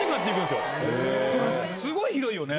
すごい広いよね。